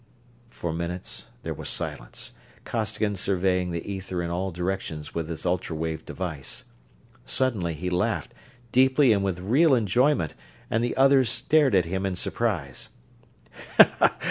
For minutes there was silence, Costigan surveying the ether in all directions with his ultra wave device. Suddenly he laughed, deeply and with real enjoyment, and the others stared at him in surprise.